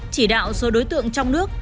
chỉ đạo số đối tượng trong nước